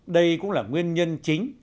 đây cũng là nguyên nhân chính